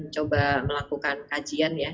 coba melakukan kajian ya